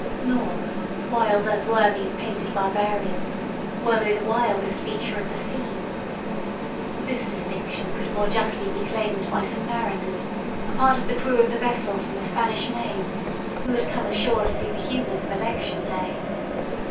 Nor, wild as were these painted barbarians, were they the wildest feature of the scene. This distinction could more justly be claimed by some mariners—a part of the crew of the vessel from the Spanish Main—who had come ashore to see the humours of Election Day.